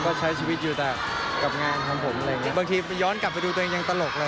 มันอาจจะไม่ใช่โลกของผมอะไรอย่างเงี้ยผมก็ใช้ชีวิตอยู่กับงานคลัมผมอะไรงี้